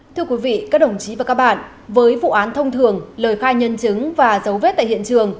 thưa quý vị các đồng chí và các bạn với vụ án thông thường lời khai nhân chứng và dấu vết tại hiện trường